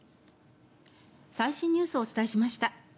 最新ニュースをお伝えしました。